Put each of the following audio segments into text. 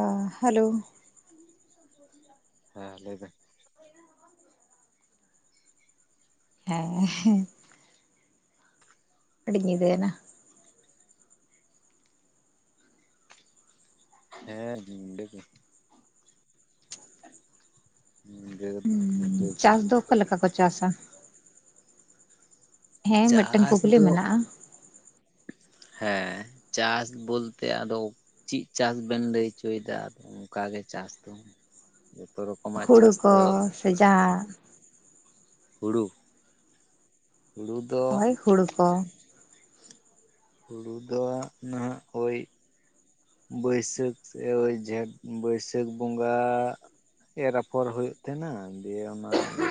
ᱚ ᱦᱮᱞᱳᱣ, [unintelligible] ᱦᱮᱸ ᱞᱟᱹᱭᱵᱮᱱ᱾ ᱦᱮᱸᱻ ᱟᱹᱰᱤ ᱧᱤᱫᱟ. ᱭᱱᱟ, ᱦᱮᱸ ᱦᱮᱸ [unintelligible] [unintelligible] ᱦᱩᱸ ᱧᱤᱫᱟᱹ ᱜᱮ ᱪᱟᱥ ᱫᱚ ᱚᱠᱟ ᱞᱮᱠᱟ ᱠᱚ ᱪᱟᱥᱟ? ᱦᱮᱸ ᱢᱤᱫᱴᱟᱝ ᱪᱟᱥ ᱠᱩᱠᱞᱤ ᱫᱚ ᱢᱮᱱᱟᱜᱼᱟ᱾ ᱦᱮᱸ ᱪᱟᱥ ᱵᱚᱞᱛᱮ ᱟᱫᱚ ᱪᱮᱫ ᱪᱟᱥ ᱵᱮᱱ ᱞᱟᱹᱭ ᱩᱪᱚᱭᱮᱫᱟ ᱟᱫᱚ ᱚᱱᱠᱟᱜᱮ ᱪᱟᱥ ᱫᱚ ᱡᱚᱛᱚ ᱨᱚᱠᱚᱢ ᱦᱩᱲᱩ ᱠᱚ ᱥᱮ ᱡᱟ ᱦᱩᱲᱩ ᱦᱩᱲᱩ ᱫᱚ ᱦᱚᱭ ᱦᱩᱲᱩ ᱠᱚ, ᱦᱩᱲᱩ ᱫᱚ ᱱᱟᱦᱟᱜ ᱳᱭ ᱵᱟᱹᱭᱥᱟᱹᱠᱷ ᱥᱮ ᱳᱭ ᱡᱷᱮᱸᱴ ᱵᱟᱹᱭᱥᱟᱹᱠᱷ ᱵᱚᱸᱜᱟ ᱮᱨ ᱟᱯᱷᱚᱨ ᱦᱩᱭᱩᱜ ᱛᱟᱦᱮᱸᱱᱟ᱾ ᱫᱤᱭᱮ ᱚᱱᱟᱜ ᱜᱮ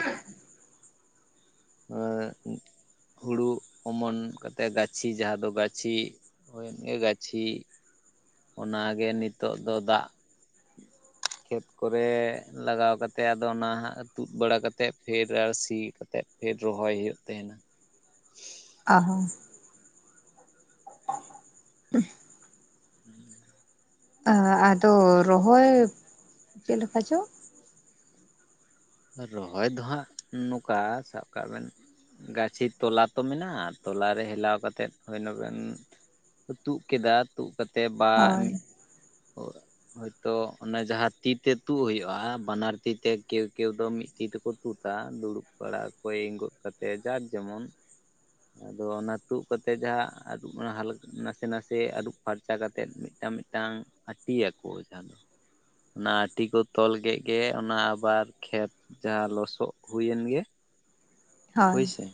[unintelligible] ᱦᱩᱲᱩ ᱚᱢᱚᱱ ᱠᱟᱛᱮᱜ ᱜᱟᱹᱪᱷᱤ ᱡᱟᱦᱟᱸ ᱫᱚ ᱜᱟᱹᱪᱷᱤ ᱦᱳᱭ ᱜᱮ ᱜᱟᱹᱪᱷᱤ ᱚᱱᱟᱜᱮ ᱱᱤᱛᱚᱜ ᱫᱚ ᱫᱟᱜ ᱠᱷᱮᱛ ᱠᱚᱨᱮ ᱞᱟᱜᱟᱣ ᱠᱟᱛᱮᱫ ᱟᱫᱚ ᱚᱱᱟ ᱦᱟᱸᱜ ᱛᱩᱫ ᱵᱟᱲᱟ ᱠᱟᱛᱮᱫ ᱯᱷᱮᱨ ᱟᱨᱦᱚ ᱥᱤ ᱠᱟᱛᱮᱫ ᱯᱷᱮᱨ ᱨᱚᱦᱚᱭ ᱦᱩᱭᱩᱜ ᱛᱟᱦᱮᱸᱱᱟ᱾ ᱟᱨᱦᱚᱸ [unintelligible] [unintelligible] ᱟᱨ ᱟᱫᱚ ᱨᱚᱦᱚᱭ ᱪᱮᱫ ᱞᱮᱠᱟ ᱪᱚ? ᱨᱚᱦᱚᱭ ᱫᱚ ᱦᱟᱸᱜ ᱱᱚᱝᱠᱟ ᱥᱟᱵ ᱠᱟᱜ ᱵᱮᱱ ᱜᱟᱹᱪᱷᱤ ᱛᱚᱞᱟ ᱛᱚ ᱢᱮᱱᱟᱜᱼᱟ ᱛᱚᱞᱟᱨᱮ ᱦᱮᱞᱟᱣ ᱠᱟᱛᱮᱜ ᱦᱳᱭ ᱚᱱᱜᱟᱱ ᱛᱩᱫ ᱠᱮᱫᱟ ᱛᱩᱫ ᱠᱟᱛᱮᱫ ᱵᱟ ᱦᱳᱭ ᱢᱤᱫ ᱦᱚᱭᱛᱚ ᱚᱱᱮ ᱡᱟᱦᱟᱸ ᱛᱤᱛᱮ ᱛᱩᱫ ᱦᱩᱭᱩᱜᱼᱟ ᱵᱟᱱᱟᱨ ᱛᱤᱛᱮ ᱠᱮ ᱠᱮᱣ ᱫᱚ ᱢᱤᱫ ᱛᱤ ᱛᱮᱠᱚ ᱛᱩᱫᱟ ᱫᱩᱲᱩᱵ ᱵᱟᱲᱟ ᱚᱠᱚᱭ ᱮᱸᱜᱚᱫ ᱠᱟᱛᱮᱫ ᱡᱟᱨ ᱡᱮᱢᱚᱱ ᱟ ᱟᱫᱚ ᱚᱱᱟ ᱛᱩᱫ ᱠᱟᱛᱮ ᱡᱟᱦᱟ ᱟᱹᱨᱩᱵ ᱚᱱᱟ ᱦᱟᱞᱠᱟ ᱱᱟᱥᱮ ᱱᱟᱥᱮ ᱟᱹᱨᱩᱵ ᱯᱷᱟᱨᱪᱟ ᱠᱟᱛᱮᱫ ᱢᱤᱫᱴᱟᱝ ᱢᱤᱫᱴᱟᱝ ᱟᱹᱴᱤᱭᱟᱠᱚ ᱡᱟᱦᱟᱸ ᱫᱚ ᱚᱱᱟ ᱟᱹᱴᱤ ᱠᱚ ᱛᱚᱞ ᱠᱮᱫ ᱜᱮ ᱚᱱᱟ ᱟᱵᱟᱨ ᱠᱷᱮᱛ ᱡᱟᱦᱟᱸ ᱞᱚᱥᱚᱜ ᱦᱩᱭᱮᱱ ᱜᱮ ᱦᱳᱭ ᱦᱳᱭᱥᱮ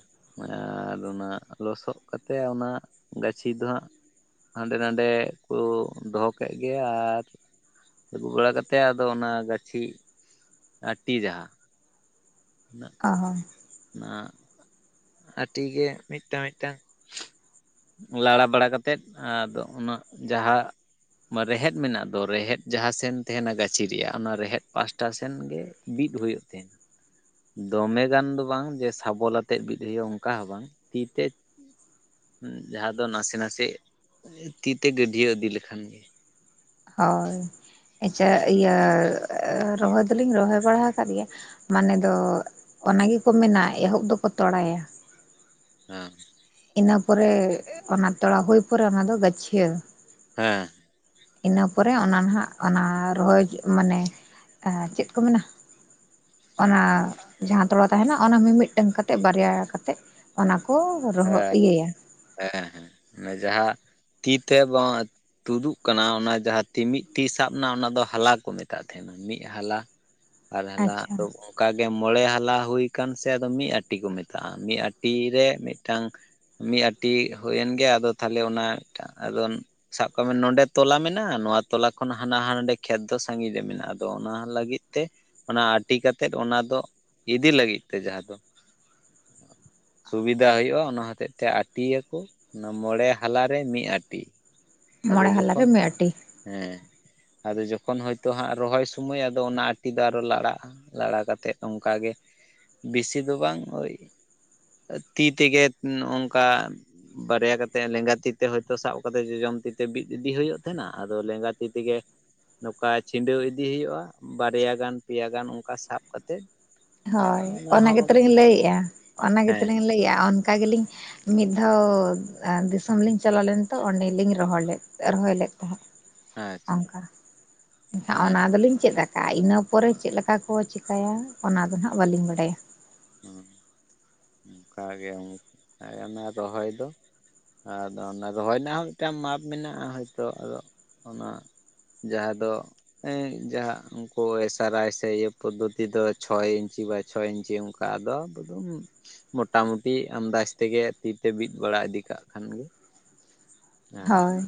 ᱟᱨ ᱚᱱᱟ ᱞᱚᱥᱚᱫ ᱠᱟᱛᱮᱜ ᱚᱱᱟ ᱜᱟᱹᱪᱷᱤ ᱫᱚ ᱦᱟᱸᱜ ᱦᱟᱸᱰᱮ ᱱᱟᱰᱮ ᱠᱚ ᱫᱚᱦᱚ ᱠᱮᱫ ᱜᱮ ᱟᱨ ᱟᱹᱜᱩ ᱵᱟᱲᱟ ᱠᱟᱛᱮᱫ ᱟᱫᱚ ᱚᱱᱟ ᱜᱟᱹᱪᱷᱤ ᱛᱤ ᱡᱟᱦᱟᱸ ᱚᱱᱟ [unintelligible] ᱚᱸ ᱦᱚᱸ [unintelligible] ᱱᱟ ᱟᱹᱴᱤ ᱜᱮ ᱢᱤᱫᱴᱟᱝ ᱢᱤᱫᱴᱟᱝ ᱞᱟᱲᱟ ᱵᱟᱲᱟ ᱠᱟᱛᱮᱫ ᱟᱫᱚ ᱩᱱᱟᱹᱜ ᱡᱟᱦᱟᱸ ᱨᱮᱦᱮᱫ ᱢᱮᱱᱟᱜ ᱫᱚ ᱨᱮᱦᱮᱫ ᱡᱟᱦᱟᱸ ᱥᱮᱱ ᱛᱟᱦᱮᱱᱟ ᱜᱟᱹᱪᱷᱤ ᱨᱮᱭᱟᱜ ᱚᱱᱟ ᱨᱮᱦᱮᱫ ᱯᱟᱥᱴᱟ ᱥᱮᱱ ᱜᱮ ᱵᱤᱫ ᱦᱩᱭᱩᱜ ᱫᱚᱢᱮ ᱜᱟᱱ ᱫᱚ ᱵᱟᱝ ᱡᱮ ᱥᱟᱵᱚᱞ ᱟᱛᱮᱫ ᱵᱤᱫ ᱫᱤᱭᱮ ᱚᱱᱠᱟ ᱦᱚᱸ ᱵᱟᱝ ᱛᱤ ᱛᱮ ᱦᱩᱸ ᱡᱟᱦᱟᱸ ᱫᱚ ᱱᱟᱥᱮ ᱱᱟᱥᱮ ᱛᱤᱛᱮ ᱜᱟᱹᱰᱭᱟᱹ ᱤᱫᱤ ᱞᱮᱠᱷᱟᱱ ᱜᱮ ᱦᱳᱭ ᱟᱪᱪᱷᱟ ᱤᱭᱟᱹ ᱨᱚᱦᱚᱭ ᱫᱚᱞᱤᱧ ᱨᱚᱦᱚᱭ ᱵᱟᱲᱟ ᱟᱠᱟᱫ ᱜᱮᱭᱟ ᱢᱟᱱᱮ ᱫᱚ ᱚᱱᱟ ᱜᱮᱠᱚ ᱢᱮᱱᱟ ᱮᱦᱚᱵ ᱫᱚᱠᱚ ᱛᱚᱲᱟᱭᱟ᱾ ᱦᱮᱸ᱾ ᱤᱱᱟᱹ ᱯᱚᱨᱮ ᱚᱱᱟ ᱛᱚᱲᱟ ᱦᱩᱭ ᱯᱚᱨᱮ ᱚᱱᱟ ᱫᱚ ᱜᱟᱹᱪᱷᱭᱟᱹ ᱦᱮᱸ ᱤᱱᱟᱹ ᱯᱚᱨᱮ ᱚᱱᱟ ᱱᱟᱦᱟᱜ ᱚᱱᱟ ᱨᱚᱦᱚᱭ ᱢᱟᱱᱮ ᱪᱮᱫ ᱠᱚ ᱢᱮᱱᱟ ᱚᱱᱟ ᱡᱟᱦᱟᱸ ᱛᱚᱲᱟ ᱛᱟᱦᱮᱱᱟ ᱚᱱᱟ ᱢᱤᱫ-ᱢᱤᱫᱴᱟᱝ ᱠᱟᱛᱮᱫ ᱵᱟᱨᱭᱟ ᱠᱟᱛᱮᱫ ᱚᱱᱟᱠᱚ ᱨᱚᱦᱚᱜ ᱦᱮᱸ ᱤᱭᱟᱹᱭᱟ ᱦᱮᱸ ᱦᱮᱸ ᱢᱟᱱᱮ ᱡᱟᱦᱟᱸ ᱛᱤ ᱛᱮ ᱵᱟᱝ ᱛᱩᱫᱩᱜ ᱠᱟᱱᱟ ᱚᱱᱟ ᱡᱟᱦᱟᱸ ᱛᱤ ᱢᱤᱫ ᱴᱤᱡ ᱥᱟᱵ ᱮᱱᱟ ᱚᱱᱟ ᱫᱚ ᱦᱟᱞᱟ ᱠᱚ ᱢᱮᱛᱟᱜ ᱛᱟᱦᱮᱸᱫ ᱢᱤᱫ ᱦᱟᱞᱟ ᱵᱟᱨ ᱦᱟᱞᱟ ᱟᱪᱪᱷᱟ ᱚᱱᱠᱟᱜᱮ ᱢᱚᱬᱮ ᱦᱟᱞᱟ ᱦᱩᱭ ᱟᱠ ᱥᱮ ᱟᱫᱚ ᱢᱤᱫ ᱟᱴᱤ ᱠᱚ ᱢᱮᱛᱟᱜᱼᱟ, ᱢᱤᱫ ᱟᱴᱤ ᱨᱮ ᱢᱤᱫᱴᱟᱝ ᱢᱤᱫ ᱟᱸᱴᱤ ᱦᱩᱭᱮᱱ ᱜᱮ ᱟᱫᱚ ᱛᱟᱦᱚᱞᱮ ᱚᱱᱟ ᱢᱤᱫᱴᱟᱝ ᱟᱫᱚ ᱥᱟᱵ ᱠᱟᱜ ᱢᱮ ᱱᱚᱸᱰᱮ ᱛᱚᱞᱟ ᱢᱮᱱᱟᱜᱼᱟ ᱱᱚᱣᱟ ᱛᱚᱞᱟ ᱠᱷᱚᱱ ᱦᱟᱱᱟ ᱦᱟᱸᱱ-ᱦᱟᱸᱰᱮ ᱠᱷᱮᱛ ᱫᱚ ᱥᱟᱺᱜᱤᱧ ᱨᱮ ᱢᱮᱱᱟᱜᱼᱟ ᱟᱫᱚ ᱚᱱᱟ ᱞᱟᱹᱜᱤᱫ ᱛᱮ ᱚᱱᱟ ᱟᱴᱤ ᱠᱟᱛᱮᱫ ᱚᱱᱟ ᱫᱚ ᱤᱫᱤ ᱞᱟᱹᱜᱤᱫ ᱛᱮ ᱡᱟᱦᱟᱸ ᱫᱚ ᱥᱩᱵᱤᱫᱟ ᱦᱩᱭᱩᱜᱼᱟ ᱚᱱᱟ ᱦᱚᱛᱮᱡ ᱛᱮ ᱟᱴᱤᱭᱟᱠᱚ ᱚᱱᱟ ᱢᱚᱬᱮ ᱦᱟᱞᱟᱨᱮ ᱢᱤᱫ ᱟᱴᱤ ᱟᱫᱚ ᱢᱚᱬᱮ ᱦᱟᱞᱟᱨᱮ ᱡᱚᱠᱷᱚᱱ ᱢᱤᱫ ᱟᱹᱴᱤ ᱦᱮᱸ ᱟᱫᱚ ᱡᱚᱠᱷᱚᱱ ᱦᱚᱳᱭᱛᱳ ᱦᱟᱸᱜ ᱨᱚᱦᱚᱭ ᱥᱩᱢᱚᱭ ᱟᱫᱚ ᱚᱱᱟ ᱟᱴᱤ ᱫᱚ ᱟᱨᱦᱚ ᱞᱟᱲᱟᱜᱼᱟ ᱞᱟᱲᱟ ᱠᱟᱛᱮᱫ ᱚᱱᱠᱟᱜ ᱜᱮ ᱵᱮᱥᱤ ᱫᱚ ᱵᱟᱝ ᱳᱭ ᱛᱤ ᱛᱮᱜᱮ ᱱᱚᱝᱠᱟ ᱵᱟᱨᱭᱟ ᱠᱟᱛᱮᱫ ᱞᱮᱸᱜᱟ ᱛᱤ ᱛᱮ ᱦᱳᱭᱛᱳ ᱥᱟᱵ ᱠᱟᱛᱮ ᱡᱚᱡᱚᱢ ᱛᱤ ᱛᱮ ᱵᱤᱫ ᱤᱫᱤ ᱦᱩᱭᱩᱜ ᱛᱟᱦᱮᱱᱟ ᱟᱫᱚ ᱞᱮᱸᱜᱟ ᱛᱤ ᱛᱮᱜᱮ ᱱᱚᱝᱠᱟ ᱪᱷᱤᱸᱰᱟᱹᱣ ᱤᱫᱤ ᱦᱩᱭᱩᱜᱼᱟ ᱵᱟᱨᱭᱟ ᱜᱟᱱ ᱯᱮᱭᱟ ᱜᱟᱱ ᱚᱱᱠᱟ ᱥᱟᱵ ᱠᱟᱛᱮᱜ ᱦᱳᱭ ᱚᱱᱟ ᱜᱮᱛᱞᱤᱧ ᱞᱟᱹᱭᱮᱫᱼᱟ ᱚᱱᱟ ᱦᱮᱸ ᱜᱮᱛᱞᱤᱧ ᱞᱟᱹᱭᱮᱫᱼᱟ ᱚᱱᱠᱟ ᱜᱮᱞᱤᱧ ᱢᱤᱫ ᱫᱷᱟᱣ ᱫᱤᱥᱚᱢ ᱞᱤᱧ ᱪᱟᱞᱟᱣ ᱞᱮᱱ ᱛᱚ ᱚᱸᱰᱮᱞᱤᱧ ᱨᱚᱦᱚᱲ ᱞᱮᱫ ᱨᱚᱦᱚᱭ ᱞᱮᱫ ᱛᱟᱦᱮᱸᱫ ᱟᱪᱪᱷᱟ ᱚᱱᱠᱟ ᱮᱱᱠᱷᱟᱱ ᱦᱮᱸ ᱚᱱᱟ ᱫᱚᱞᱤᱧ ᱪᱮᱫ ᱠᱟ ᱤᱱᱟᱹ ᱯᱚᱨᱮ ᱪᱮᱫ ᱞᱮᱠᱟ ᱠᱚ ᱪᱤᱠᱟᱹᱟ ᱚᱱᱟᱫᱚ ᱦᱟᱸᱜ ᱵᱟᱹᱞᱤᱧ ᱵᱟᱰᱟᱭᱟ ᱦᱩᱸ ᱚᱱᱠᱟᱜᱮ ᱠᱟ ᱚᱱᱟ ᱨᱚᱦᱚᱭ ᱫᱚ ᱟᱫᱚ ᱚᱱᱟ ᱨᱚᱦᱚᱭ ᱨᱮᱱᱟᱜ ᱦᱚᱸ ᱢᱤᱫᱴᱟᱝ ᱢᱟᱯ ᱢᱮᱱᱟᱜᱼᱟ ᱦᱚᱭᱛᱳ ᱟᱫᱚ ᱚᱱᱟ ᱡᱟᱦᱟᱸ ᱫᱚ ᱡᱟᱦᱟᱸ ᱩᱱᱠᱩ ᱮᱥ ᱟᱨ ᱟᱭ ᱥᱮ ᱤᱭᱟᱹ ᱯᱚᱫᱽᱫᱷᱚᱛᱤ ᱫᱚ ᱪᱷᱚᱭ ᱤᱧᱪᱤ ᱵᱟᱭ ᱪᱷᱚ ᱤᱧᱪᱤ ᱚᱱᱠᱟ ᱟᱫᱚ ᱟᱵᱩᱫᱩᱢ ᱢᱚᱴᱟᱢᱩᱴᱤ ᱟᱢᱫᱟᱡᱽ ᱛᱮᱜᱮ ᱛᱤᱛᱮ ᱵᱤᱫ ᱵᱟᱲᱟ ᱤᱫᱤ ᱠᱟᱜ ᱠᱷᱟᱱᱜᱮ ᱦᱳᱭ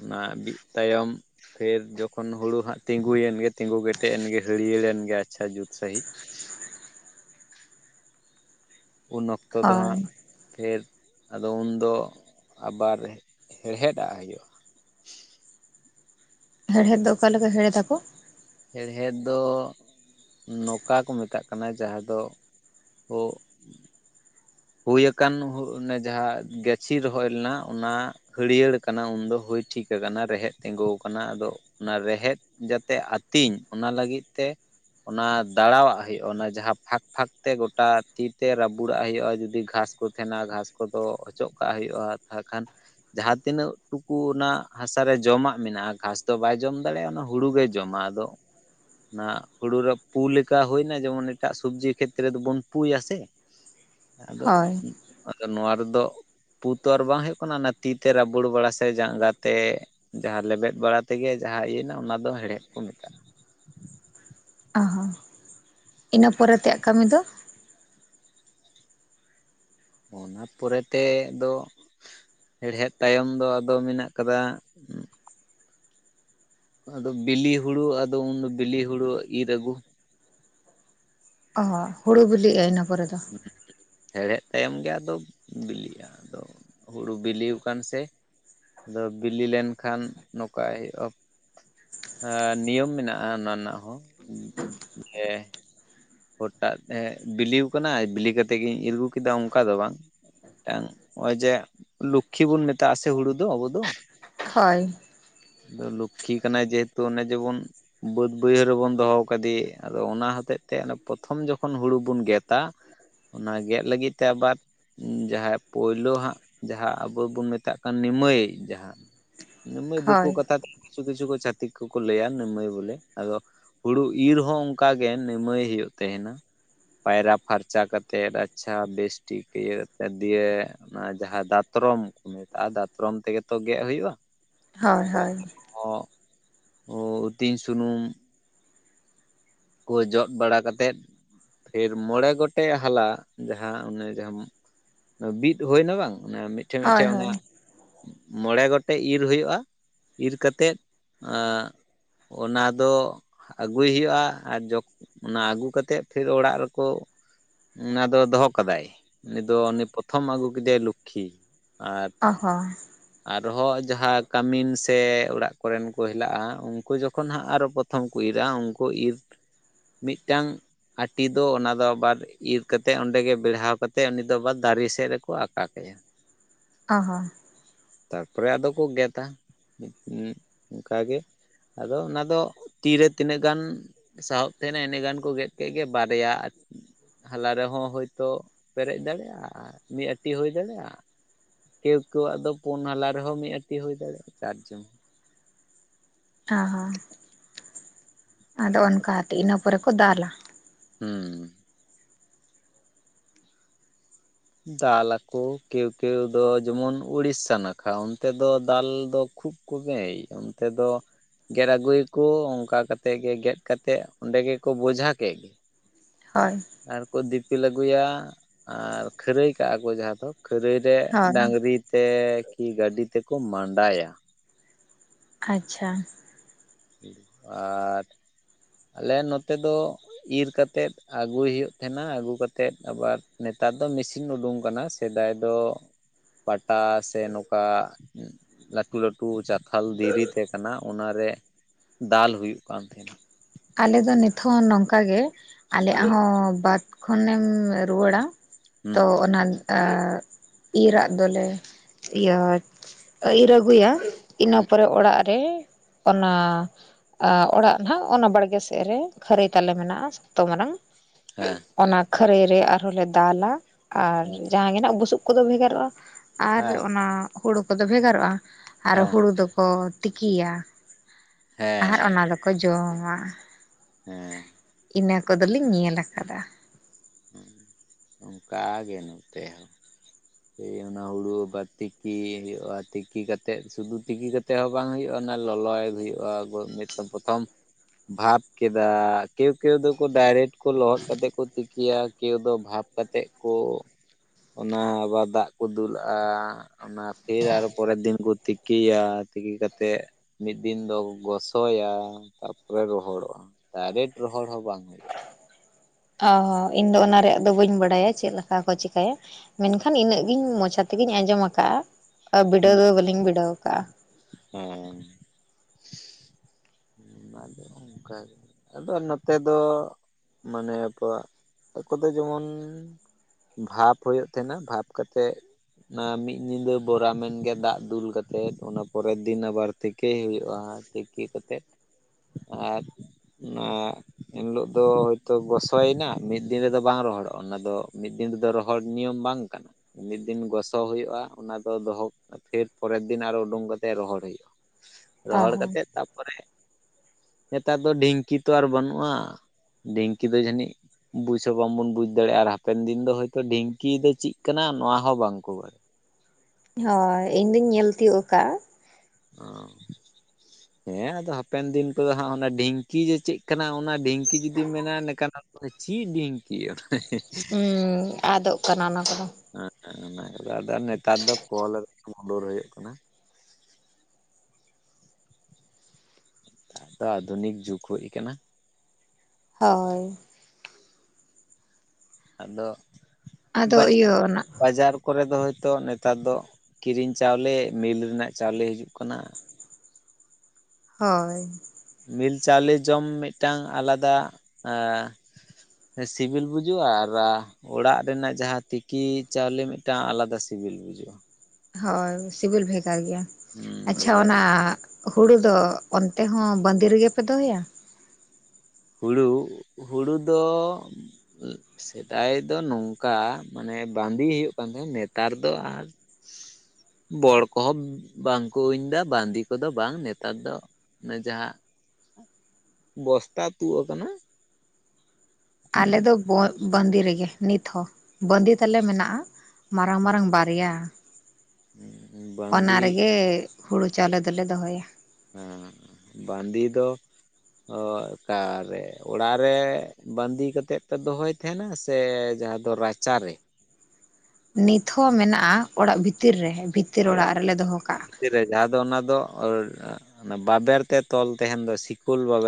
ᱚᱱᱟ ᱵᱤᱫ ᱛᱟᱭᱚᱢ ᱯᱷᱮᱨ ᱡᱚᱠᱷᱚᱱ ᱦᱳᱲᱩ ᱦᱟᱸᱜ ᱛᱸᱜᱩᱭᱮᱱᱜ ᱜᱮ ᱛᱤᱸᱜᱩ ᱠᱮᱴᱮᱡ ᱮᱱᱜᱮ ᱦᱟᱹᱲᱭᱟᱹᱲᱜᱮ ᱟᱪᱪᱷᱟ ᱡᱩᱛ ᱥᱟᱺᱦᱤᱡ ᱩᱱ ᱚᱠᱛᱚ ᱫᱚ ᱦᱳᱭ ᱦᱟᱸᱜ ᱯᱷᱮᱨ ᱟᱫᱚ ᱩᱱ ᱫᱚ ᱟᱵᱟᱨ ᱦᱮᱲᱦᱮᱫᱟᱜ ᱦᱩᱭᱩᱜᱼᱟ ᱦᱮᱲᱦᱮᱫ ᱫᱚ ᱚᱠᱟ ᱞᱮᱠᱟ ᱦᱮᱲᱮᱫᱟᱠᱚ ᱦᱮᱲᱦᱮᱫ ᱫᱚ ᱱᱚᱠᱟ ᱠᱚ ᱢᱮᱛᱟᱜ ᱠᱟᱱᱟ ᱡᱟᱦᱟᱸ ᱫᱚ ᱦᱩᱭ ᱟᱠᱟᱱ ᱟᱱᱮ ᱡᱟᱦᱟᱸ ᱜᱟᱹᱪᱷᱤ ᱨᱚᱦᱚᱭ ᱞᱮᱱᱟ ᱚᱱᱟ ᱦᱟᱹᱨᱭᱟᱹᱲ ᱠᱟᱱᱟ ᱩᱱᱫᱚ ᱦᱩᱭ ᱴᱷᱤᱠ ᱠᱟᱱᱟ ᱨᱮᱦᱮᱫ ᱛᱤᱸᱜᱩ ᱠᱟᱱᱟ ᱟᱫᱚ ᱚᱱᱟ ᱨᱮᱦᱮᱫ ᱡᱟᱛᱮ ᱟᱹᱛᱤᱧ ᱚᱱᱟ ᱞᱟᱹᱜᱤᱫ ᱛᱮ ᱚᱱᱟ ᱫᱟᱲᱟᱣᱟᱜ ᱦᱩᱭᱩᱜᱼᱟ ᱚᱱᱟ ᱡᱟᱦᱟᱸ ᱯᱷᱟᱸᱠ-ᱯᱷᱟᱸᱠ ᱛᱮ ᱜᱚᱴᱟ ᱛᱤ ᱛᱮ ᱨᱟᱹᱵᱩᱲᱟᱜ ᱦᱩᱭᱩᱜᱼᱟ ᱡᱩ ᱩ ᱜᱷᱟᱸᱥ ᱠᱚ ᱛᱟᱦᱮᱱᱟ ᱜᱷᱟᱸᱥ ᱠᱚᱫᱚ ᱚᱪᱚᱜ ᱠᱟᱜ ᱦᱩᱭᱩᱜᱼᱟ, ᱛᱟᱦᱚᱞᱮ ᱠᱷᱟᱱ ᱡᱟᱦᱟᱸ ᱛᱤᱱᱟᱹᱜ ᱩᱠᱩ ᱚᱱᱟ ᱦᱟᱥᱟ ᱨᱮ ᱡᱚᱢᱟᱜ ᱢᱮᱱᱟᱜᱼᱟ, ᱜᱷᱟᱥ ᱫᱚ ᱵᱟᱭ ᱡᱚᱢ ᱫᱟᱲᱮᱭᱟᱜᱼᱟ ᱚᱱᱟ ᱦᱩᱲᱩ ᱜᱮ ᱡᱚᱢᱟ ᱾ ᱫᱚ ᱚᱱᱟ ᱦᱩᱲᱩ ᱨᱮ ᱯᱩ ᱞᱮᱠᱟ ᱦᱩᱭᱱᱟ ᱡᱮᱢᱚᱱ ᱮᱴᱟᱜ ᱥᱚᱵᱽᱡᱤ ᱠᱷᱮᱛᱨᱮ ᱨᱮ ᱫᱚᱵᱚᱱ ᱯᱩᱭᱟ ᱥᱮ ᱾ ᱟᱫᱚ ᱦᱳᱭ ᱩᱸ ᱟᱫᱚ ᱱᱚᱣᱟ ᱨᱮᱫᱚ ᱯᱩ ᱛᱚ ᱟᱨ ᱵᱟᱝ ᱦᱩᱭᱩᱜ ᱠᱟᱱᱟ ᱚᱱᱟ ᱛᱤ ᱛᱮ ᱨᱟᱹᱵᱩᱚᱲ ᱵᱟᱲᱟ ᱥᱮ ᱡᱟᱸᱜᱟ ᱛᱮ ᱡᱟᱦᱟᱸ ᱞᱮᱵᱮᱫ ᱵᱟᱲᱟ ᱛᱮᱜᱮ ᱡᱟᱦᱟᱸ ᱤᱭᱟᱹᱭᱱᱟ ᱚᱱᱟ ᱫᱚ ᱦᱮᱲᱦᱮᱫ ᱠᱚ ᱢᱮᱛᱟᱜᱼᱟ ᱚ ᱦᱚᱸ ᱤᱱᱟᱹ ᱯᱚᱨᱮ ᱛᱮᱭᱟᱜ ᱠᱟᱹᱢᱤ ᱫᱚ ᱚᱱᱟ ᱯᱚᱨᱮ ᱛᱮ ᱫᱚ ᱦᱮᱲᱦᱮᱫ ᱛᱟᱭᱚᱢ ᱫᱚ ᱟᱫᱚ ᱢᱮᱱᱟᱜ ᱟᱠᱟᱫᱟ, ᱟᱫᱚ ᱵᱤᱞᱤ ᱦᱩᱲᱩ ᱟᱫᱚ ᱩᱱᱚᱫᱚ ᱵᱤᱞᱤ ᱦᱩᱲᱩ ᱨᱟᱹᱜᱩ ᱚ ᱦᱩᱲᱩ ᱵᱤᱞᱤᱜᱼᱟ ᱤᱱᱟᱹ ᱯᱚᱨᱮ ᱫᱚ ᱦᱮᱲᱦᱮᱫ ᱛᱟᱭᱚᱢ ᱜᱮ ᱟᱫᱚ ᱵᱤᱞᱤᱜᱼᱟ ᱟᱫᱚ ᱦᱩᱲᱩ ᱵᱤᱞᱤᱣ ᱠᱟᱱ ᱥᱮ ᱟᱫᱚ ᱵᱤᱞᱤ ᱞᱮᱱ ᱠᱷᱟᱱ ᱱᱚᱠᱟᱭ ᱦᱩᱭᱩᱜᱼᱟ ᱾ ᱦᱮᱸ ᱱᱤᱭᱚᱢ ᱢᱮᱱᱟᱜᱼᱟ ᱚᱱᱟ ᱨᱮᱱᱟᱜ ᱦᱚᱸ [inaudible] ᱦᱚᱴᱟᱛ ᱮᱸ ᱵᱤᱞᱤᱣ ᱠᱟᱱᱟ ᱵᱤᱞᱤ ᱠᱟᱛᱮᱜ ᱜᱤᱧ ᱤᱨ ᱟᱜᱩ ᱠᱮᱫᱟ ᱚᱱᱠᱟ ᱫᱚ ᱵᱟᱝ ᱾ ᱮᱸ ᱱᱚᱜᱼᱚᱭ ᱡᱮ ᱞᱚᱠᱠᱷᱤ ᱵᱚᱱ ᱢᱮᱛᱟᱜᱼᱟ ᱥᱮ ᱦᱩᱲᱩ ᱫᱚ ᱟᱵᱚ ᱫᱚ ᱾ ᱠᱷᱟᱸᱭ ᱟᱫᱚ ᱞᱚᱠᱠᱷᱤ ᱠᱟᱱᱟᱭ ᱡᱮᱦᱮᱛᱩ ᱚᱱᱮ ᱡᱮᱵᱚᱱ ᱵᱟᱹᱫ-ᱵᱟᱹᱭᱦᱟᱹᱲ ᱨᱮᱵᱚᱱ ᱫᱚᱦᱚ ᱟᱠᱟᱫᱤ ᱟᱫᱚ ᱚᱱᱟ ᱦᱚᱛᱮᱡ ᱛᱮ ᱚᱱᱟ ᱯᱨᱚᱛᱷᱚᱢ ᱡᱚᱠᱷᱚᱱ ᱦᱩᱲᱩ ᱵᱚᱱ ᱜᱮᱛᱟ, ᱚᱱᱟ ᱜᱮᱜ ᱞᱟᱹᱜᱤᱫ ᱛᱮ ᱟᱵᱟᱨ ᱩᱢ ᱡᱟᱦᱟᱸ ᱯᱳᱭᱞᱳ ᱦᱟᱸᱜ ᱡᱟᱦᱟᱸ ᱟᱵᱚ ᱵᱚᱱ ᱢᱮᱛᱟᱜ ᱠᱟᱱ ᱱᱤᱢᱟᱹᱭ ᱡᱟᱦᱟᱸ ᱾ ᱱᱤᱢᱟᱹ ᱫᱤᱠᱩ ᱦᱳᱭ ᱠᱟᱛᱷᱟ ᱠᱤᱪᱷᱩ ᱠᱤᱪᱷᱩ ᱠᱚ ᱪᱷᱟᱛᱤᱠ ᱠᱚ ᱞᱟᱹᱭᱟ ᱱᱤᱢᱟᱹᱭ ᱵᱚᱞᱮ, ᱟᱫᱚ ᱦᱩᱲᱩ ᱤᱨ ᱦᱚᱸ ᱚᱝᱠᱟ ᱜᱮ ᱱᱤᱢᱟᱹᱭ ᱦᱩᱭᱩᱜ ᱛᱟᱦᱮᱱᱟ ᱾ ᱯᱟᱭᱨᱟ ᱯᱷᱟᱨᱪᱟ ᱠᱟᱛᱮᱫ ᱟᱪᱪᱷᱟ ᱵᱮᱥ ᱴᱷᱤᱠ ᱤᱭᱟᱹ ᱛᱮ ᱫᱤᱭᱮ ᱚᱱᱟ ᱡᱟᱦᱟᱸ ᱫᱟᱛᱨᱚᱢ ᱠᱚ ᱢᱮᱛᱟᱜᱼᱟ ᱫᱟᱛᱨᱚᱢ ᱛᱮᱜᱮ ᱛᱚ ᱜᱮᱫ ᱦᱩᱭᱩᱜᱼᱟ ᱦᱳᱭ ᱾ ᱦᱳᱭ ᱫᱟᱛᱨᱚᱢ ᱦᱚᱸ ᱱᱤᱭᱟᱹ ᱤᱛᱤᱧ ᱥᱩᱱᱩᱢ ᱾ ᱠᱚ ᱡᱚᱫ ᱵᱟᱲᱟ ᱠᱟᱛᱮᱫ ᱯᱷᱤᱨ ᱢᱚᱬᱮ ᱜᱚᱴᱮᱡ ᱦᱟᱞᱟ ᱡᱟᱦᱟᱸ ᱚᱱᱮ ᱡᱟᱦᱟᱸ ᱵᱤᱫ ᱦᱩᱭᱮᱱᱟ ᱵᱟᱝ ᱚᱱᱟ ᱢᱤᱫᱴᱷᱮᱡ ᱦᱳᱭ ᱢᱤᱫᱴᱷᱮᱡ ᱚᱱᱟ ᱦᱳᱭ ᱾ ᱢᱚᱬᱮ ᱜᱚᱴᱮᱡ ᱤᱨ ᱦᱩᱭᱩᱜᱼᱟ, ᱤᱨ ᱠᱟᱛᱮᱜ ᱟᱸᱻ ᱚᱱᱟ ᱫᱚ ᱟᱹᱜᱩᱭ ᱦᱩᱭᱩᱜᱼᱟ ᱾ ᱟᱨ ᱡᱚᱠ-ᱚᱱᱟ ᱟᱹᱜᱩ ᱠᱟᱛᱮᱫ, ᱯᱷᱤᱨ ᱚᱲᱟᱜ ᱨᱮᱠᱚ ᱚᱱᱟ ᱫᱚ ᱫᱚᱦᱚ ᱠᱟᱫᱟᱭ ᱩᱱᱤ ᱫᱚ ᱩᱱᱤ ᱯᱨᱚᱛᱷᱚᱢ ᱟᱹᱜᱩ ᱠᱮᱫᱮᱟᱭ ᱞᱩᱠᱠᱷᱤ ᱟᱨ ᱟᱸᱦ ᱦᱚᱣᱟ ᱟᱨᱦᱚᱸ ᱟᱡᱽ ᱡᱟᱦᱟᱸ ᱠᱟᱹᱢᱤᱱ ᱥᱮ ᱚᱲᱟᱜ ᱠᱚᱨᱮᱱ ᱠᱚ ᱦᱮᱞᱟᱜᱼᱟ, ᱩᱱᱠᱩ ᱡᱚᱠᱷᱚᱱ ᱦᱟᱸᱜ ᱟᱨᱚ ᱯᱚ ᱛᱷᱚᱢ ᱠᱚ ᱤᱨᱟ ᱩᱱᱠᱩ ᱤᱨ ᱢᱤᱫᱴᱟᱝ ᱟᱴᱤ ᱫᱚ ᱚᱱᱟ ᱫᱚ ᱵᱟᱫ ᱤᱨ ᱠᱟᱛᱮ ᱚᱸᱰᱮ ᱜᱮ ᱵᱮᱲᱦᱟᱣ ᱠᱟᱛᱮ ᱩᱱᱤ ᱫᱚ ᱵᱟ ᱫᱟᱨᱮ ᱥᱮᱫ ᱨᱮᱠᱚ ᱟᱠᱟ ᱠᱟᱭᱟ ᱾ ᱚ ᱦᱚᱸ ᱾ ᱛᱟᱨᱯᱚᱨᱮ ᱟᱫᱚ ᱠᱚ ᱜᱮᱛᱟ ᱾ ᱚᱱᱠᱟ ᱜᱮ ᱟᱫᱚ ᱚᱱᱟ ᱫᱚ ᱛᱤᱨᱮ ᱛᱤᱱᱟᱹᱜ ᱜᱟᱱ ᱥᱟᱦᱚᱵ ᱛᱮ ᱤᱱᱟᱹ ᱜᱟᱱ ᱠᱚ ᱜᱮᱫ ᱠᱮᱜ ᱜᱮ ᱵᱟᱨᱭᱟ ᱦᱟᱞᱟ ᱨᱮᱦᱚᱸ ᱦᱳᱭᱛᱚ ᱯᱮᱨᱮᱡ ᱫᱟᱲᱮᱜᱼᱟ ᱢᱤᱫ ᱟᱹᱴᱤ ᱦᱩᱭ ᱫᱟᱲᱮᱼᱟ ᱾ ᱠᱮᱣ-ᱠᱮᱣᱟᱜ ᱫᱚ ᱯᱩᱱ ᱦᱟᱞᱟ ᱨᱮᱦᱚᱸ ᱢᱤᱫ ᱟᱹᱴᱤ ᱦᱩᱭ ᱫᱟᱲᱮᱼᱟ ᱡᱟᱨ ᱡᱮᱢᱚᱱ ᱾ ᱟᱸ-ᱦᱟᱸ ᱾ ᱟᱫᱚ ᱚᱱᱠᱟ ᱛᱮ ᱤᱱᱟᱹ ᱯᱚᱨᱮ ᱠᱚ ᱫᱟᱞᱟ ᱾ ᱦᱩᱸᱻ ᱾ ᱫᱟᱞ ᱟᱠᱚ ᱠᱮᱣ ᱠᱮᱣ ᱫᱚ ᱡᱮᱢᱚᱱ ᱩᱲᱤᱥᱥᱟ ᱱᱟᱠᱷᱟ ᱚᱱᱛᱮ ᱫᱚ ᱫᱟᱞ ᱫᱚ ᱠᱷᱩᱵ ᱠᱚᱜᱮᱭ ᱚᱱᱛᱮ ᱫᱚ ᱜᱮᱫ ᱟᱹᱜᱩᱭᱟᱠᱚ ᱚᱱᱠᱟ ᱠᱟᱛᱮᱫ ᱜᱮ ᱜᱮᱫ ᱠᱟᱛᱮᱜ ᱚᱸᱰᱮ ᱜᱮᱠᱚ ᱵᱚᱡᱷᱟ ᱠᱮᱫ ᱜᱮ ᱦᱳᱭ ᱟᱨ ᱠᱚ ᱫᱤᱯᱤᱞ ᱟᱹᱜᱩᱭᱟ ᱟᱨ ᱠᱷᱟᱹᱨᱟᱹᱭ ᱠᱟᱜᱼᱟ ᱠᱚ ᱡᱟᱦᱟᱸ ᱫᱚ ᱠᱷᱟᱹᱨᱟᱹᱭ ᱥᱮ ᱦᱳᱭ ᱰᱟᱝᱨᱤ ᱛᱮ ᱠᱤ ᱜᱟᱹᱰᱤ ᱛᱮᱠᱚ ᱢᱟᱰᱟᱭᱟ ᱟᱪᱪᱷᱟ ᱟᱨ ᱟᱞᱮ ᱱᱚᱛᱮ ᱫᱚ ᱤᱨ ᱠᱟᱛᱮᱜ ᱟᱹᱜᱩᱭ ᱦᱩᱭᱩᱜ ᱛᱟᱦᱮᱸᱱᱟ ᱟᱹᱜᱩ ᱠᱟᱛᱮᱫ ᱟᱵᱟᱨ ᱱᱮᱛᱟᱨ ᱫᱚ ᱢᱮᱥᱤᱱ ᱩᱰᱩᱝ ᱟᱠᱟᱱᱟ ᱥᱮᱫᱟᱭ ᱫᱚ ᱯᱟᱴᱟ ᱥᱮ ᱱᱚᱠᱟ ᱾ ᱞᱟᱹᱴᱩ ᱞᱟᱹᱴᱩ ᱪᱟᱛᱷᱟᱞ ᱫᱷᱤᱨᱤ ᱛᱮ ᱠᱟᱱᱟ ᱚᱱᱟ ᱨᱮ ᱫᱟᱞ ᱦᱩᱭᱩᱜ ᱠᱟᱱ ᱛᱟᱦᱮᱱᱟ ᱾ ᱟᱞᱮ ᱫᱚ ᱱᱤᱛ ᱦᱚᱸ ᱱᱚᱝᱠᱟ ᱜᱮ ᱦᱩᱸ ᱟᱞᱮᱼᱟᱜ ᱦᱚᱸ ᱵᱟᱛ ᱠᱷᱚᱱᱮᱝ ᱨᱩᱣᱟᱹᱲᱟ ᱦᱩᱸ ᱛᱚ ᱚᱱᱟ ᱮᱸ ᱤᱨᱟᱜ ᱫᱚᱞᱮ ᱤᱭᱟᱹ ᱟᱹ-ᱤᱨ ᱟᱹᱜᱩᱭᱟ ᱾ ᱤᱱᱟᱹ ᱦᱮᱸ ᱯᱚᱨᱮ ᱚᱲᱟᱜ ᱨᱮ ᱚᱱᱟ ᱟ ᱚᱲᱟᱜ ᱱᱟᱦᱟᱜ ᱚᱱᱟ ᱵᱟᱲ ᱜᱮ ᱥᱮᱜ ᱨᱮ ᱠᱷᱟᱹᱨᱟᱹᱭ ᱛᱟᱞᱮ ᱢᱮᱱᱟᱜᱼᱟ ᱥᱚᱠᱛᱚ ᱢᱟᱨᱟᱝ ᱾ ᱦᱮᱸ ᱾ ᱚᱱᱟ ᱠᱷᱟᱹᱨᱟᱹᱭ ᱨᱮ ᱟᱨᱦᱚᱸ ᱞᱮ ᱫᱟᱞᱟ ᱟᱨ ᱡᱟᱦᱟᱸ ᱜᱮ ᱦᱟᱸᱜ ᱵᱩᱥᱩᱵ ᱠᱚᱫᱚ ᱵᱷᱮᱜᱟᱨᱚᱜᱼᱟ ᱟᱨ ᱚᱱᱟ ᱦᱩᱲᱩ ᱠᱚᱫᱚ ᱵᱷᱮᱜᱟᱨᱚᱜᱼᱟ ᱟᱨ ᱦᱮᱸ ᱦᱩᱲᱩ ᱫᱚᱠᱚ ᱛᱤᱠᱤᱭᱟ ᱟᱨ ᱦᱮᱸ ᱚᱱᱟ ᱫᱚᱠᱚ ᱡᱚᱢᱟ᱾ ᱦᱮᱸ ᱤᱱᱟᱹ ᱠᱚᱫᱚᱞᱤᱧ ᱧᱮᱞ ᱟᱠᱟᱫᱟ ᱚᱱᱠᱟ ᱜᱮ ᱱᱚᱛᱮ ᱦᱚᱸ ᱚᱱᱟ ᱦᱩᱲᱩ ᱵᱟ ᱛᱤᱠᱤ ᱦᱩᱭᱩᱜᱼᱟ ᱛᱤᱠᱤ ᱠᱟᱛᱮ ᱥᱩᱫᱷᱩ ᱛᱤᱠᱤ ᱠᱟᱛᱮ ᱦᱚᱸ ᱵᱟᱝ ᱦᱩᱭᱩᱜᱼᱟ ᱚᱱᱟ ᱞᱚᱞᱚᱭ ᱦᱩᱭᱩᱜᱼᱟ ᱢᱤᱫ ᱯᱨᱚᱛᱷᱚᱢ ᱵᱷᱟᱵ ᱠᱮᱫᱟ ᱠᱮᱣ ᱠᱮᱣ ᱫᱚᱠᱚ ᱰᱟᱭᱨᱮᱠᱴ ᱠᱚ ᱞᱚᱦᱚᱫ ᱠᱟᱛᱮ ᱠᱚ ᱛᱮᱠᱮᱭᱟ ᱠᱮᱣ ᱫᱚ ᱵᱷᱟᱵᱽ ᱠᱟ ᱠᱟᱛᱮᱫ ᱠᱚ ᱚᱱᱟ ᱟᱵᱟᱨ ᱫᱟᱜ ᱠᱚ ᱫᱩᱞᱟᱜᱼᱟ ᱚᱱᱟ ᱯᱷᱤᱨ ᱟᱨᱚ ᱯᱚᱨᱮᱨ ᱫᱤᱱ ᱠᱚ ᱛᱤᱠᱤᱭᱟ ᱛᱤᱠᱤ ᱠᱟᱛᱮᱜ ᱢᱤᱫ ᱫᱤᱱ ᱫᱚ ᱜᱚᱥᱚᱭᱟ ᱛᱟᱨ ᱯᱚᱨᱮ ᱨᱚᱦᱚᱲᱚᱜᱼᱟ ᱫᱟᱭᱨᱮᱴ ᱨᱚᱦᱚᱲ ᱦᱚᱸ ᱵᱟᱝ ᱚ ᱦᱚᱸ ᱤᱧ ᱫᱚ ᱚᱱᱟ ᱨᱮᱭᱟᱜ ᱫᱚ ᱵᱟᱹᱧ ᱵᱟᱲᱟᱭᱟ ᱪᱮᱫ ᱞᱮᱠᱟ ᱠᱚ ᱪᱤᱠᱟᱹᱭᱟ ᱢᱮᱱᱠᱷᱟᱱ ᱤᱱᱟᱹᱜ ᱜᱤᱧ ᱢᱚᱪᱟ ᱛᱮᱜᱤᱧ ᱟᱸᱡᱚᱢ ᱟᱠᱟᱜᱼᱟ ᱟᱨ ᱵᱤᱰᱟᱹᱣ ᱦᱩᱸ ᱫᱚ ᱵᱟᱹᱞᱤᱧ ᱵᱤᱰᱟᱹᱣ ᱟᱠᱟᱜᱼᱟ ᱦᱮᱸ ᱚᱱᱟᱫᱚ [unintelligible] ᱚᱱᱠᱟ ᱜᱮ ᱟᱫᱚ ᱱᱚᱛᱮ ᱫᱚ ᱢᱟᱱᱮ ᱟᱠᱚᱣᱟᱜ ᱟᱠᱚ ᱫᱚ ᱡᱮᱢᱚᱱ ᱵᱷᱟᱵᱽ ᱦᱳᱭᱳᱜ ᱛᱟᱦᱮᱱᱟ ᱵᱷᱟᱵ ᱠᱟᱛᱮᱫ ᱚᱱᱟ ᱢᱤᱫ ᱧᱤᱫᱟᱹ ᱵᱚᱨᱟ ᱢᱮᱱᱜᱮ ᱫᱟᱜ ᱫᱩᱞ ᱠᱟᱛᱮᱜ ᱚᱱᱟ ᱯᱚᱨᱮᱨ ᱫᱤᱱ ᱟᱵᱟᱨ ᱛᱮᱠᱮᱹᱭ ᱦᱩᱭᱩᱜᱼᱟ ᱛᱤᱠᱤ ᱠᱟ ᱠᱟᱛᱮᱫ ᱟᱨ [unintelligible] ᱮᱱᱦᱤᱞᱳᱜ ᱫᱚ ᱦᱳᱭᱛᱚ ᱜᱚᱥᱚᱭᱮᱱᱟ ᱢᱤᱫ ᱫᱤᱱ ᱨᱮᱫᱚ ᱵᱟᱝ ᱨᱚᱦᱚᱲᱚᱜ ᱚᱱᱟ ᱫᱚ ᱢᱤᱫ ᱫᱤᱱ ᱨᱮᱫᱚ ᱨᱚᱦᱚᱲ ᱦᱚᱲ ᱱᱤᱭᱚᱢ ᱵᱟᱝ ᱠᱟᱱᱟ ᱢᱤᱫ ᱫᱤᱱ ᱜᱚᱥᱚ ᱦᱩᱭᱩᱜᱼᱟ ᱚᱱᱟ ᱫᱚ ᱫᱚᱦᱚ ᱯᱷᱤᱨ ᱯᱚᱨᱮᱨ ᱫᱤᱱ ᱟᱨᱚ ᱩᱰᱩᱝ ᱛᱮ ᱨᱚᱦᱚᱲ ᱦᱩᱭᱩᱜᱼᱟ ᱚ ᱨᱚᱦᱚᱲ ᱦᱚᱸ ᱠᱟᱛᱮ ᱛᱟᱨᱯᱚᱨᱮ ᱱᱮᱛᱟᱨ ᱫᱚ ᱰᱷᱤᱝᱠᱤ ᱛᱚ ᱟᱨ ᱵᱟᱹᱱᱩᱜᱼᱟ ᱰᱷᱤᱝᱠᱤ ᱫᱚ ᱡᱟᱹᱱᱤᱡ ᱵᱩᱡ ᱦᱚᱸ ᱵᱟᱝᱵᱚᱱ ᱵᱩᱡ ᱫᱟᱲᱮᱭᱟᱜᱼᱟ ᱟᱨ ᱦᱟᱯᱮᱱ ᱫᱤᱱ ᱫᱚ ᱦᱚᱭᱛᱚ ᱰᱷᱤᱝᱠᱤ ᱫᱚ ᱪᱮᱫ ᱠᱟᱱᱟ ᱱᱚᱣᱟ ᱦᱚᱸ ᱵᱟᱝᱠᱚ ᱵᱟᱲᱟ ᱦᱳᱭ ᱤᱧ ᱫᱩᱧ ᱧᱮᱞ ᱛᱤᱭᱳᱜ ᱟᱠᱟᱼᱟ [inaudible] ᱦᱮᱸ ᱟᱫᱚ ᱦᱟᱯᱮᱱ ᱫᱤᱱ ᱠᱚᱫᱚ ᱦᱟᱸᱜ ᱚᱱᱟ ᱰᱷᱤᱝᱠᱤ ᱡᱮ ᱪᱮᱫ ᱠᱟᱱᱟ ᱚᱱᱟ ᱰᱷᱤᱝᱠᱤ ᱡᱩᱫᱤᱢ ᱢᱮᱱᱟ ᱱᱮᱠᱟᱱ ᱦᱚᱲ ᱮ ᱪᱮᱫ ᱰᱷᱤᱝᱠᱤ? ᱦᱩᱸ ᱟᱫᱚᱜ ᱠᱟᱱᱟ ᱚᱱᱟ ᱠᱚᱫᱚ ᱚᱱᱟ ᱱᱮᱛᱟᱨ ᱫᱚ ᱠᱚᱞ ᱢᱩᱰᱩᱨ ᱦᱩᱭᱩᱜ ᱠᱟᱱᱟ ᱫᱚ ᱟᱫᱷᱩᱱᱤᱠ ᱡᱩᱜᱽ ᱦᱩᱭ ᱟᱠᱟᱱᱟ᱾ ᱦᱳᱭ ᱟᱫᱚ ᱟᱫᱚ ᱵᱟᱡᱟᱨ ᱤᱭᱟᱹ ᱚᱱᱟ ᱵᱟᱡᱟᱨ ᱠᱚᱨᱮ ᱫᱚ ᱦᱳᱭᱛᱳ ᱱᱮᱛᱟᱨ ᱫᱚ ᱠᱤᱨᱤᱧ ᱪᱟᱣᱞᱮ ᱢᱤᱞ ᱨᱮᱱᱟᱜ ᱪᱟᱣᱞᱮ ᱦᱤᱡᱩᱜ ᱠᱟᱱᱟ᱾ ᱦᱳᱭ ᱢᱤᱞ ᱪᱟᱣᱞᱮ ᱡᱚᱢ ᱢᱤᱫᱴᱟᱝ ᱟᱞᱟᱫᱟ ᱟᱻ ᱥᱤᱵᱤᱞ ᱵᱩᱡᱩᱜᱼᱟ ᱟᱨ ᱚᱲᱟᱜ ᱨᱮᱱᱟᱜ ᱡᱟᱦᱟᱸ ᱛᱤᱠᱤ ᱪᱟᱣᱞᱮ ᱢᱤᱫᱴᱟᱝ ᱟᱞᱟᱫᱟ ᱥᱤᱵᱤᱞ ᱵᱩᱡᱟᱹᱜᱼᱟ ᱦᱳᱭ ᱥᱤᱵᱤᱞ ᱵᱷᱮᱜᱟᱨ ᱜᱮᱭᱟ ᱦᱩᱸ ᱟᱪᱪᱷᱟ ᱵᱷᱮᱜᱟᱨ ᱚᱱᱟ ᱜᱮ ᱦᱩᱲᱩ ᱫᱚ ᱚᱱᱛᱮ ᱦᱚ ᱵᱟᱸᱫᱤ ᱨᱮᱜᱮᱯᱮ ᱫᱚᱦᱚᱭᱟ ᱦᱩᱲᱩ ᱦᱩᱲᱩ ᱫᱚ [inaudible] ᱥᱮᱫᱟᱭ ᱫᱚ ᱱᱚᱝᱠᱟ ᱢᱟᱱᱮ ᱵᱟᱸᱫᱤ ᱦᱩᱭᱩᱜ ᱠᱟᱱ ᱛᱟᱦᱮᱸᱱᱟ ᱱᱮᱛᱟᱨ ᱫᱚ ᱟᱨ ᱵᱚᱲ ᱠᱚᱦᱚᱸ ᱵᱟᱝᱠᱚ ᱩᱧᱫᱟ ᱵᱟᱸᱫᱤ ᱠᱚᱫᱚ ᱵᱟᱝ ᱱᱮᱛᱟᱨ ᱫᱚ ᱢᱟᱱᱮ ᱡᱟᱦᱟᱸ ᱵᱚᱥᱛᱟ ᱛᱩᱫ ᱟᱠᱟᱱᱟ ᱟᱞᱮ ᱫᱚ [unintelligible] ᱵᱟᱸᱫᱤ ᱨᱮᱜᱮ ᱱᱤᱛ ᱦᱚᱸ ᱵᱟᱺᱫᱤ ᱛᱟᱞᱮ ᱢᱮᱱᱟᱜᱼᱟ᱾ ᱢᱟᱨᱟᱝ ᱢᱟᱨᱟᱝ ᱵᱟᱨᱭᱟ ᱚᱱᱟ ᱵᱟᱸᱫᱤ ᱨᱮᱜᱮ ᱦᱩᱲᱩ ᱪᱟᱣᱞᱮ ᱫᱚᱞᱮ ᱫᱚᱦᱚᱭᱟ᱾ ᱦᱮᱸ ᱵᱟᱸᱫᱤ ᱫᱚ ᱚᱻ ᱚᱠᱟᱨᱮ ᱚᱲᱟᱜ ᱨᱮ ᱵᱟᱸᱫᱤ ᱠᱟᱛᱮᱜ ᱯᱮ ᱫᱚᱦᱚᱭ ᱛᱟᱦᱮᱱᱟ ᱥᱮ ᱡᱟᱦᱟᱸ ᱫᱚ ᱨᱟᱪᱟ ᱨᱮ ᱱᱤᱛᱦᱚᱸ ᱢᱮᱱᱟᱜᱼᱟ ᱚᱲᱟᱜ ᱵᱷᱤᱛᱤᱨ ᱨᱮ ᱵᱷᱤᱛᱤᱨ ᱚᱲᱟᱜ ᱨᱮᱞᱮ ᱫᱚᱦᱚ ᱠᱟᱜᱼᱟ᱾ ᱵᱷᱤᱛ ᱨᱮ ᱡᱟᱦᱟᱸ ᱫᱚ ᱚᱱᱟ ᱫᱚ ᱵᱟᱵᱮᱨ ᱛᱮ ᱛᱚᱞ ᱛᱟᱦᱮᱱ ᱫᱚ ᱥᱤᱠᱩᱞ ᱵᱟᱵᱮᱨ